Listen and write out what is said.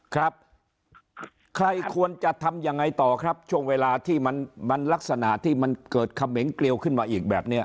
ครับใครควรจะทำยังไงต่อครับช่วงเวลาที่มันลักษณะที่มันเกิดเขมงเกลียวขึ้นมาอีกแบบเนี้ย